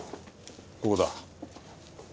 ここだ。